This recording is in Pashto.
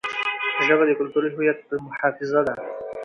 ژبه د کلتوري هویت محافظه ده.